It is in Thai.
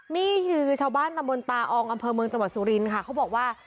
นี่คือชาวบ้านตำบลตาอองอำเภอเมืองจังหวัดสุรินค่ะเขาบอกว่า